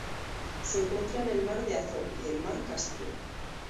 Se encuentra en el mar de Azov y el mar Caspio.